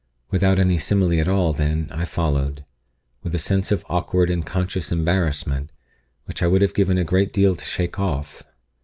Without any simile at all, then, I followed, with a sense of awkward and conscious embarrassment, which I would have given a great deal to shake off.